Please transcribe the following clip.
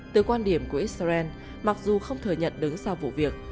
từ quan điểm của israel mặc dù không thừa nhận đứng sau vụ việc